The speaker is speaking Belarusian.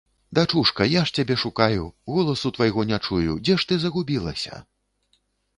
Дачушка, я ж цябе шукаю, голасу твайго не чую, дзе ж ты загубілася?